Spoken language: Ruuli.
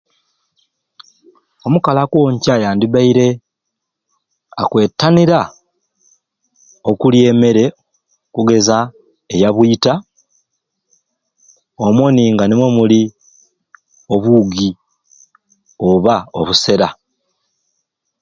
Omukali akonca yandibaire akwetanira okulya emmere okugeza eya bwita omwo ni nga nimwo muli obugi oba obusera